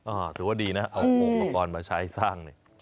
อ่าถือว่าดีนะเอาองค์มังกรมาใช้สร้างนี่